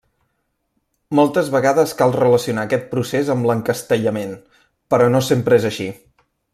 Moltes vegades cal relacionar aquest procés amb l'encastellament, però no sempre és així.